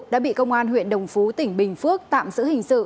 đã bị công an huyện đồng phú tỉnh bình phước tạm giữ hình sự